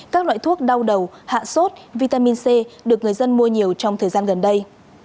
các loại thuốc đau đầu hạ sốt vitamin c được người dân mua nhiều trong thời gian gần đây